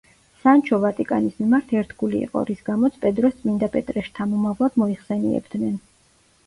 სანჩო ვატიკანის მიმართ ერთგული იყო, რის გამოც პედროს წმინდა პეტრეს შთამომავლად მოიხსენიებდნენ.